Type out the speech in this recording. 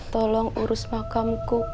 tolong urus makamku kak